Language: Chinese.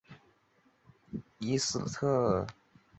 伊斯特尔是法国的城市。